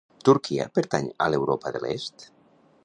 Turquia pertany a l'Europa de l'Est.